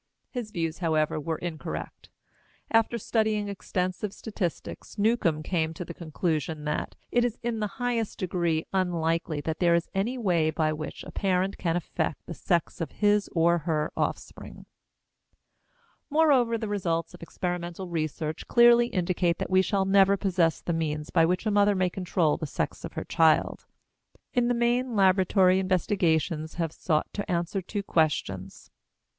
His views, however, were incorrect. After studying extensive statistics Newcomb came to the conclusion that "it is in the highest degree unlikely that there is any way by which a parent can affect the sex of his or her offspring." Moreover, the results of experimental research clearly indicate that we shall never possess the means by which a mother may control the sex of her child. In the main laboratory investigations have sought to answer two questions.